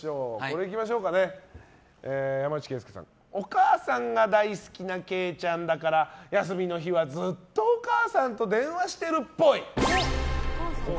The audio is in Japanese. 続いて、お母さんが大好きな惠ちゃんだから休みの日はずっとお母さんと電話してるっぽい。